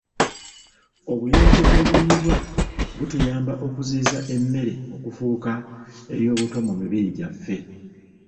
Obuyonjo bw'ebiriibwa butuyamba okuziyiza emmere okufuuka ey'obutwa mu mibiri gyaffe.